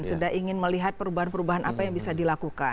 sudah ingin melihat perubahan perubahan apa yang bisa dilakukan